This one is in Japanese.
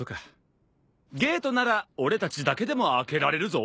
ゲートなら俺たちだけでも開けられるぞ。